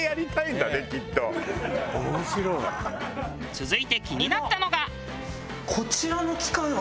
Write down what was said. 続いて気になったのが。